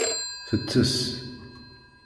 Tettess.